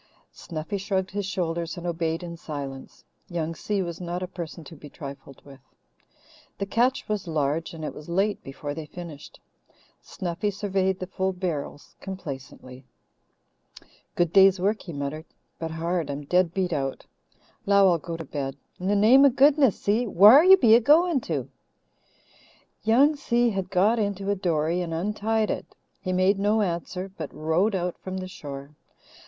Snuffy shrugged his shoulders and obeyed in silence. Young Si was not a person to be trifled with. The catch was large and it was late before they finished. Snuffy surveyed the full barrels complacently. "Good day's work," he muttered, "but hard I'm dead beat out. 'Low I'll go to bed. In the name o' goodness, Si, whar be you a goin' to?" Young Si had got into a dory and untied it. He made no answer, but rowed out from the shore.